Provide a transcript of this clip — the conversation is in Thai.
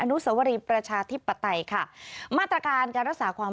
นุสวรีประชาธิปไตยค่ะมาตรการการรักษาความ